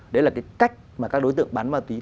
đấy là cái cách mà các đối tượng bán ma túy